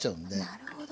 なるほど。